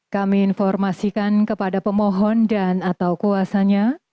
kami informasikan kepada pemohon dan atau kuasanya